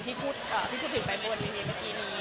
ที่พูดถึงไปบนทีวีเมื่อกี้นี้